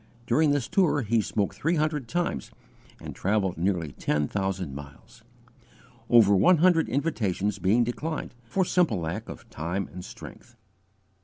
During this tour he spoke three hundred times, and travelled nearly ten thousand miles; over one hundred invitations being declined, for simple lack of time and strength.